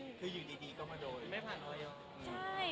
คืออยู่ดีก็มาโดย